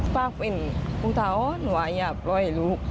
ปากเป็นอุทาหอนหวายอย่าปล่อยลูก